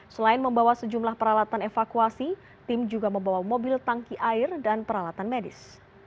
selain membawa sejumlah peralatan evakuasi tim juga membawa mobil tangki air dan peralatan medis